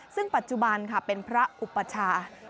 ซึ่งปัจจุบันค่ะเป็นพระอุปชา